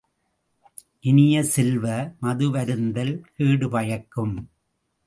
இனிய செல்வ, மதுவருந்தல் கேடு பயக்கும்.